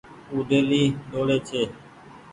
او ڊيلي ۮوڙي ڇي۔